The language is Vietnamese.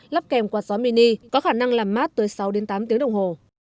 lắp kèm quạt gió mini có khả năng làm mát tới sáu tám tiếng đồng hồ